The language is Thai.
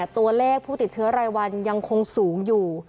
ตัวเลขผู้ติดเชื้อรายวันยังคงสูงอยู่